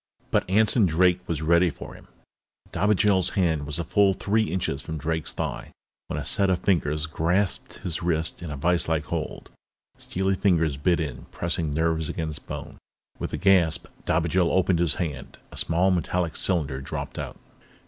But Anson Drake was ready for him. Dobigel's hand was a full three inches from Drake's thigh when a set of fingers grasped his wrist in a viselike hold. Steely fingers bit in, pressing nerves against bone. With a gasp, Dobigel opened his hand. A small, metallic cylinder dropped out.